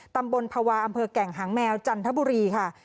ตำบลภาวะอำเภอแก่งหางแมวจันทบุรีค่ะ